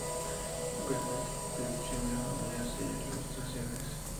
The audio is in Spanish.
Ver Descripción de familias e ilustraciones